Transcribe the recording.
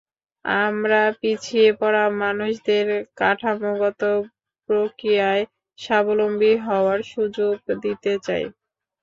আমরা পিছিয়ে পড়া মানুষদের কাঠামোগত প্রক্রিয়ায় স্বাবলম্বী হওয়ার সুযোগ দিতে চাই।